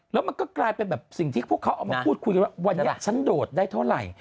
แล้วมันก็กลายเป็นแบบสิ่งที่พวกเขาเอามาพูดคุยกันว่าวันนี้ฉันโดดได้เท่าไหร่